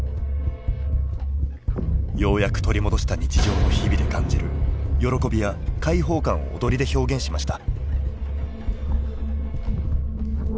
ようやく取り戻した日常の日々で感じる喜びや解放感を踊りで表現しました。